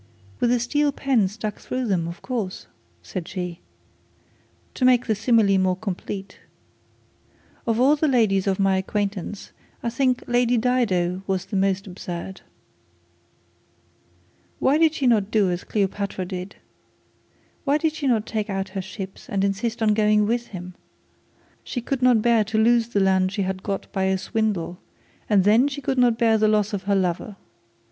'With a steel pen stuck through them, of course,' said she, 'to make the simile more complete. Of all the ladies of my acquaintance I think Lady Dido was the most absurd. Why did she not do as Cleopatra did? Why did she not take out her ships and insist on going with him? She could not bear to lose the land she had got by a swindle; and then she could not bear the loss of her lover.